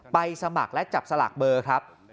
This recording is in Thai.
สมัครและจับสลากเบอร์ครับ